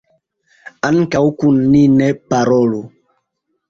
Ankaŭ kun ni ne parolu.